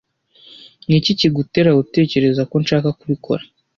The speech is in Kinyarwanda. Niki kigutera gutekereza ko nshaka kubikora?